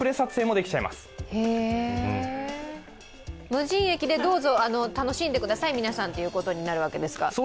無人駅で、どうぞ楽しんでください、皆さんということですか？